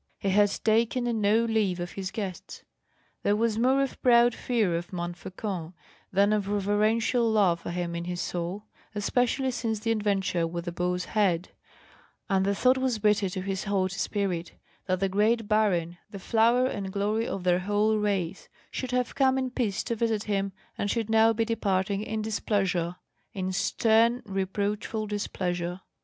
He had taken no leave of his guests. There was more of proud fear of Montfaucon than of reverential love for him in his soul, especially since the adventure with the boar's head; and the thought was bitter to his haughty spirit, that the great baron, the flower and glory of their whole race, should have come in peace to visit him, and should now be departing in displeasure, in stern reproachful displeasure.